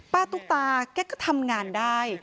ตุ๊กตาแกก็ทำงานได้